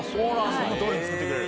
そのとおりに作ってくれる？